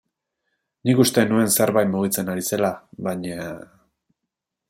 Nik uste nuen zerbait mugitzen ari zela, baina...